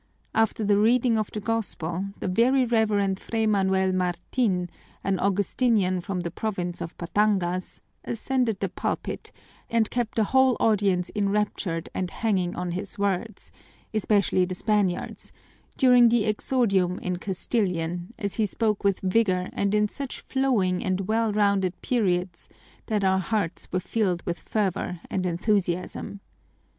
After the reading of the Gospel, the Very Reverend Fray Manuel Martin, an Augustinian from the province of Batangas, ascended the pulpit and kept the whole audience enraptured and hanging on his words, especially the Spaniards, during the exordium in Castilian, as he spoke with vigor and in such flowing and well rounded periods that our hearts were filled with fervor and enthusiasm.